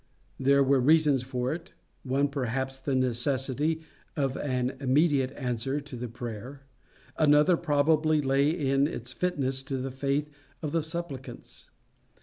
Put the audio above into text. There were reasons for it; one perhaps the necessity of an immediate answer to the prayer; another probably lay in its fitness to the faith of the supplicants.